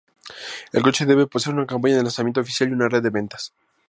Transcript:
El coche debe poseer una campaña de lanzamiento oficial y una red de ventas.